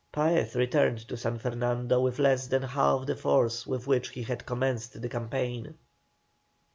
Paez returned to San Fernando with less than half the force with which he had commenced the campaign.